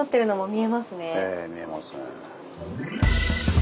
ええ見えますね。